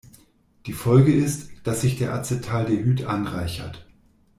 Die Folge ist, dass sich der Acetaldehyd anreichert.